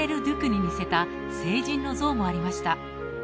デュクに似せた聖人の像もありました